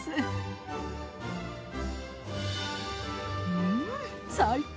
うん最高！